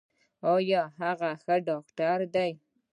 ایا هغه ښه ډاکټر دی؟